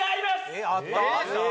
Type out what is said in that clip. えっあった？